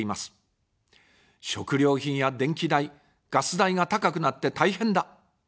食料品や電気代、ガス代が高くなって大変だ。